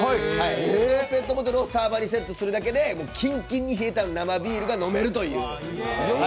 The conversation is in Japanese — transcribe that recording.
そのペットボトルをサーバーにセットするだけでキンキンに冷えた生ビールが飲めるという。